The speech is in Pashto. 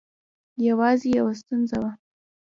یوازې یوه ستونزه وه.